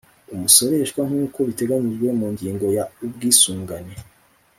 umusoreshwa nk uko biteganyijwe mu ngingo ya ubwisungane